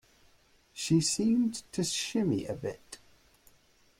She seemed to shimmy a bit.